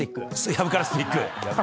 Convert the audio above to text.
藪からスティック。